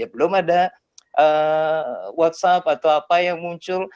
belum ada whatsapp atau apa yang muncul